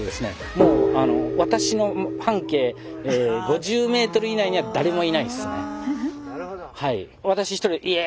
もう私の半径５０メートル以内には誰もいないですね。